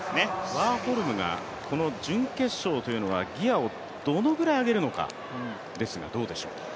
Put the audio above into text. ワーホルムがこの準決勝というのはギアをどのぐらい上げるのかですが、どうでしょう？